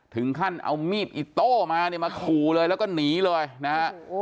ท่านเอามีดอีโต้มามาขู่เลยแล้วก็หนีเลยนะฮะ